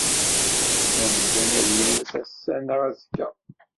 Amdan ad yemmet ass-a neɣ azekka.